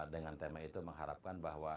dengan tema itu mengharapkan bahwa